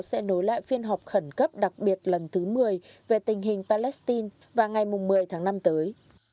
sẽ nối lại phiên họp khẩn cấp đặc biệt lần thứ một mươi về tình hình palestine vào ngày một mươi tháng năm tới